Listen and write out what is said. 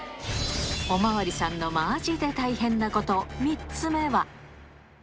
お巡りさんのまじで大変なこと３つ目は。